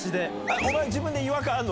お前、自分で違和感あるの？